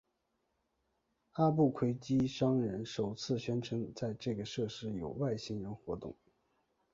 阿布奎基商人首次宣称在这个设施有外星人活动。